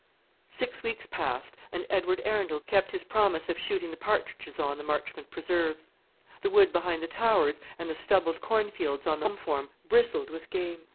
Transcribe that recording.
Six weeks passed, and Edward Arundel kept his promise of shooting the partridges on the Marchmont preserves. The wood behind the Towers, and the stubbled corn fields on the home farm, bristled with game.